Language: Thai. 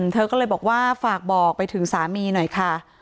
เธอก็เลยบอกว่าฝากบอกไปถึงสามีหน่อยค่ะ